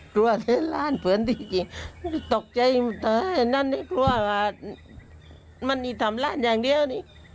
กลัวแล้วหลานเผินนี่จริงตกใจมนุษย์มานั่นหน่อยกลัวทำลานอย่างเดียวนี่